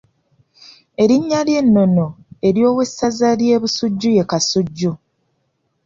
Erinnya ery’ennono ery’owessaza ly’e Busujju ye Kasujju.